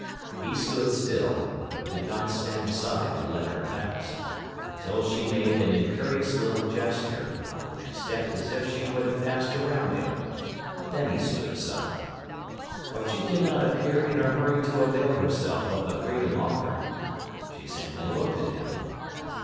He stood still, but did not stand aside to let her pass, until she made an imperious little gesture and stepped as if she would have passed around him. Then he stood aside. But she did not appear in a hurry to avail herself of the freedom offered, she simply looked at him.